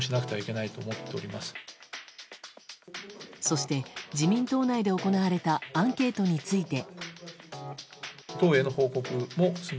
そして、自民党内で行われたアンケートについて。